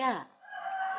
tungguin aku nanti